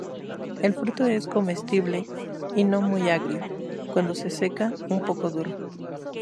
El fruto es comestible y no muy agrio, cuando se seca, un poco duro.